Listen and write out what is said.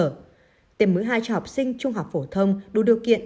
tiếp tục tiêm mũi hai cho học sinh trung học phổ thông đủ điều kiện